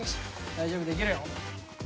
大丈夫できるよ。